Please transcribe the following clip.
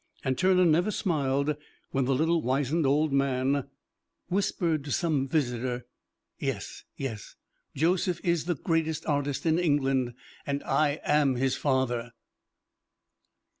And Turner never smiled when the little, wizened, old man would whisper to some visitor, "Yes, yes; Joseph is the greatest artist in England, and I am his father."